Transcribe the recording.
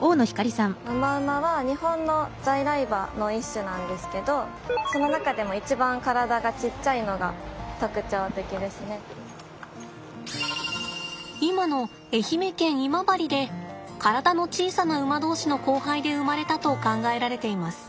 野間馬は日本の在来馬の一種なんですけどその中でも今の愛媛県今治で体の小さな馬同士の交配で生まれたと考えられています。